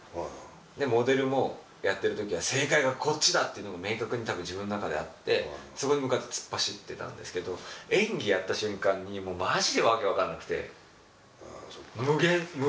モデルもやってる時は正解がこっちだっていうのが明確にたぶん自分の中であってそこに向かって突っ走ってたんですけど演技やった瞬間にマジでわけ分かんなくて。